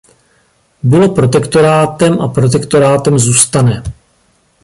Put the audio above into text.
Bylo protektorátem a protektorátem zůstane.